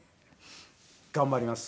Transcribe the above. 頑張ります。